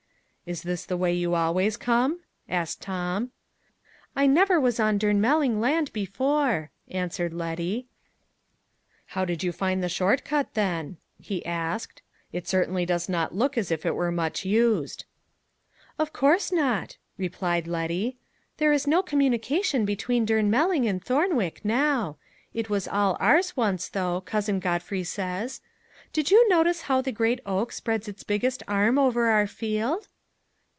"Is this the way you always come?" asked Tom. "I never was on Durnmelling land before," answered Letty. "How did you find the short cut, then?" he asked. "It certainly does not look as if it were much used." "Of course not," replied Letty. "There is no communication between Durnmelling and Thornwick now. It was all ours once, though, Cousin Godfrey says. Did you notice how the great oak sends its biggest arm over our field?"